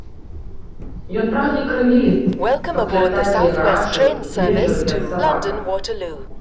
Ён прагне крыві, каб хлябтаць яе гарачую, свежую, як сабака.